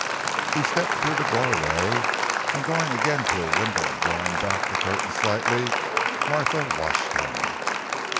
He stepped through the doorway and, going again to a window and drawing back the curtain slightly, Martha watched him.